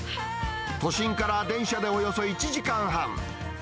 都心から電車でおよそ１時間半。